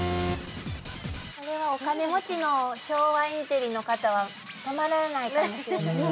これはお金持ちの昭和インテリの方は泊まらないかもしれませんね。